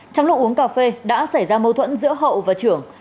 trong lúc uống cà phê đã xảy ra mâu thuẫn giữa hậu và trưởng